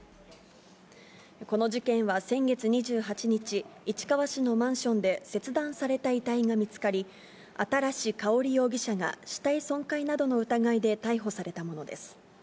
この事件は先月２８日、市川市のマンションで切断された遺体が見つかり、新かほり容疑者が死体損壊などの疑いで逮捕されたものです。